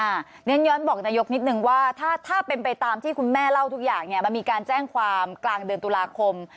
อย่างนั้นย้อนบอกนายกนิดนึงว่าถ้าเป็นไปตามที่คุณแม่เล่าทุกอย่างเนี่ยมันมีการแจ้งความกลางเดือนตุลาคม